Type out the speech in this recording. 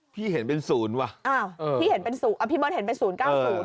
พี่เห็นเป็นศูนย์ว่ะอ้าวพี่เห็นเป็นศูนย์อ่ะพี่เบิร์ตเห็นเป็นศูนย์เก้าศูนย์